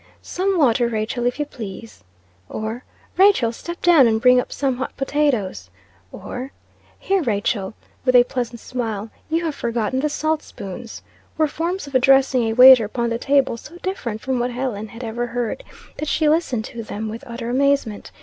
"Some water, Rachael, if you please." Or, "Rachael, step down and, bring up some hot potatoes." Or "Here, Rachael," with a pleasant smile, "you have forgotten the salt spoons," were forms of addressing a waiter upon the table so different from what Helen had ever heard, that she listened to them with utter amazement.